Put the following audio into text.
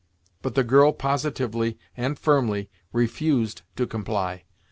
But the girl positively and firmly refused to comply.